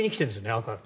赤が。